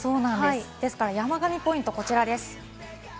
ですから山神ポイント、こちらです。